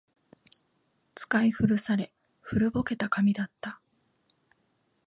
使い古され、古ぼけた紙だった